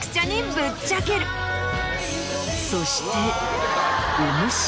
そして。